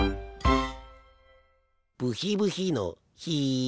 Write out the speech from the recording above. ブヒブヒのヒ。